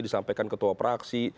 disampaikan ketua praksi